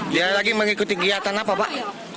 dia lagi mengikuti kegiatan apa pak